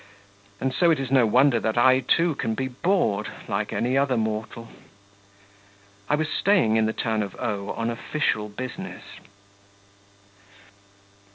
And so it is no wonder that I too can be bored like any other mortal. I was staying in the town of O on official business.